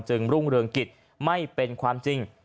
รุ่งเรืองกิจไม่เป็นความจริง